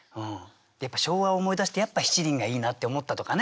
昭和を思い出して「やっぱ七輪がいいな」って思ったとかね。